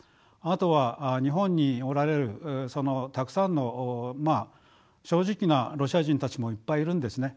あとは日本におられるたくさんの正直なロシア人たちもいっぱいいるんですね。